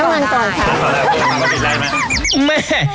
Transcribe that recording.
น้ำมันก็ติดได้ไหม